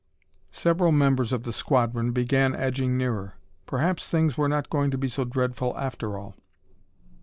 Several members of the squadron began edging nearer. Perhaps things were not going to be so dreadful after all.